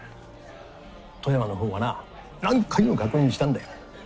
富山の方はな何回も確認したんだよ。